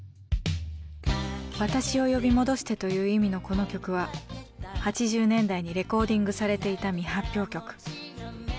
「私を呼び戻して」という意味のこの曲は８０年代にレコーディングされていた未発表曲。